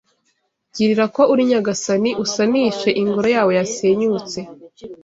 Girira ko uri Nyagasani, usanishe Ingoro yawe yasenyutse